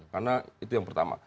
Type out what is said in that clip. karena itu yang pertama